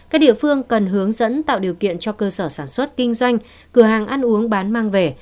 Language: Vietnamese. các địa phương cần hướng dẫn tạo điều kiện cho cơ sở sản xuất kinh doanh cửa hàng ăn uống bán mang về